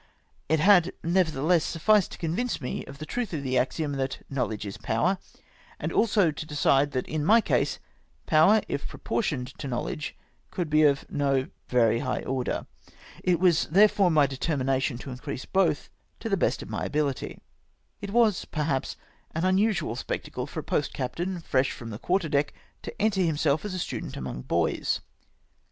It had, nevertheless, sufficed to convince me of the truth of the axiom that " knowledge is power," and also to decide that in my case power if proportioned to knowledge could be of no very high order. It was therefore my determination to increase both to the best of my abihty. It was, perhaps, an unusual spectacle for a post captain fresh from the quarter deck, to enter himself as a student among boys.